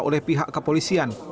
oleh pihak kepolisian